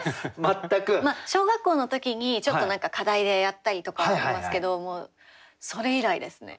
全く？小学校の時にちょっと何か課題でやったりとかはしてますけどもうそれ以来ですね。